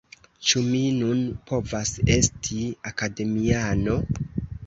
Ĉu mi nun povas esti Akademiano?